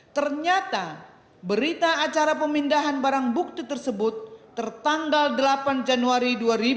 ternyata berita acara pemindahan barang bukti tersebut tertanggal delapan januari dua ribu dua puluh